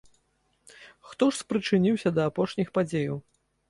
Хто ж спрычыніўся да апошніх падзеяў?